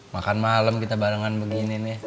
makan malam kita barengan begini nih